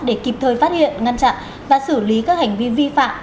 để kịp thời phát hiện ngăn chặn và xử lý các hành vi vi phạm